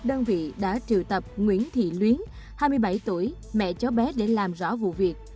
đơn vị đã triều tập nguyễn thị luyến hai mươi bảy tuổi mẹ cháu bé để làm rõ vụ việc